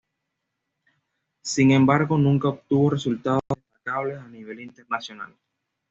Sin embargo nunca obtuvo resultados destacables a nivel internacional.